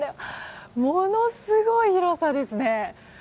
ものすごい広さですね。